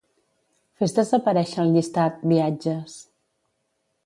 Fes desaparèixer el llistat "viatges".